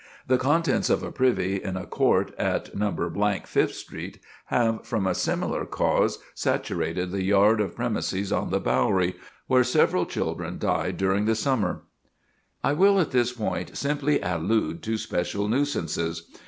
The contents of a privy in a court at No. Fifth Street have, from a similar cause, saturated the yard of premises on the Bowery, where several children died during the summer." [Sidenote: Special Nuisances] I will at this point simply allude to special nuisances.